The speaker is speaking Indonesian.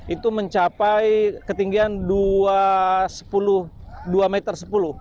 itu mencapai ketinggian dua sepuluh meter